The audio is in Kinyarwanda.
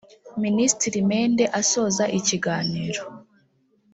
Minisitiri Mende asoza ikiganiro